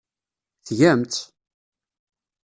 Tgam-tt!